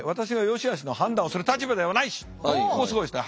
ここすごいですね。